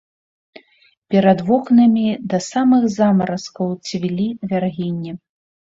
Перад вокнамі да самых замаразкаў цвілі вяргіні.